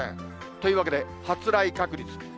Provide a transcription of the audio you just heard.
というわけで、発雷確率。